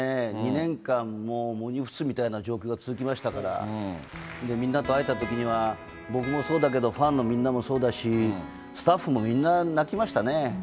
２年間もう、喪に服すような状況が続きましたから、みんなと会えたときには、僕もそうだけど、ファンのみんなもそうだし、スタッフもみんな泣きましたね。